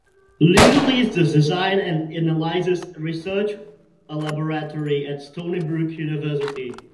Liu leads the Design and Analysis Research Laboratory at Stony Brook University.